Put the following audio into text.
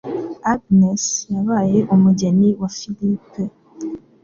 Agnes Yabaye umugeni wa philipe